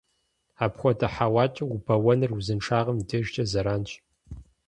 Апхуэдэ хьэуакӀэ убэуэныр узыншагъэм и дежкӀэ зэранщ.